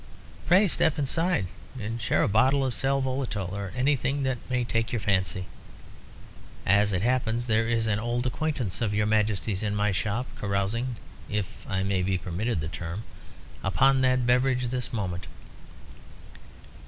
Pray step inside and share a bottle of sal volatile, or anything that may take your fancy. As it happens, there is an old acquaintance of your Majesty's in my shop carousing (if I may be permitted the term) upon that beverage at this moment."